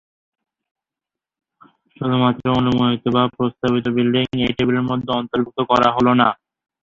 শুধুমাত্র অনুমোদিত বা প্রস্তাবিত বিল্ডিং এই টেবিলের মধ্যে অন্তর্ভুক্ত করা হলো না।